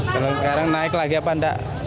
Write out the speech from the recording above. kalau sekarang naik lagi apa enggak